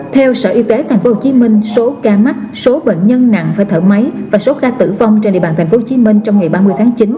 theo sở y tế tp hcm số ca mắc số bệnh nhân nặng phải thở máy và số ca tử vong trên địa bàn tp hcm trong ngày ba mươi tháng chín